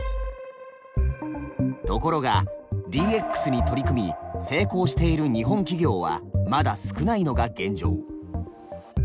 ところがＤＸに取り組み成功している日本企業はまだ少ないのが現状。